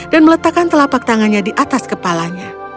dan meletakkan telapak tangannya di atas kepalanya